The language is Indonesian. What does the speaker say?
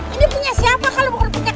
ini punya siapa kalau bukan punya